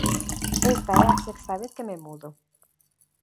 Esta é a sexta vez que me mudo.